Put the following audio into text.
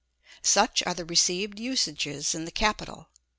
Such are the received usages in the capital.